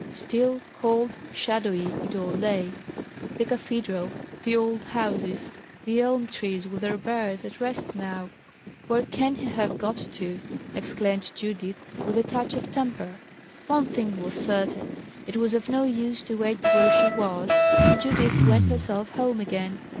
Still, cold, shadowy it all lay; the cathedral, the old houses, the elm trees with their birds, at rest now. "Where can he have got to?" exclaimed Judith, with a touch of temper. One thing was certain: it was of no use to wait where she was, and Judith went herself home again.